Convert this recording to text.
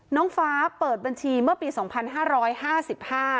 น้องฟ้าเปิดบัญชีเมื่อปีสองพันห้าร้อยห้าสิบห้า